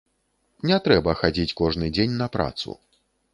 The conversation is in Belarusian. Не трэба хадзіць кожны дзень на працу.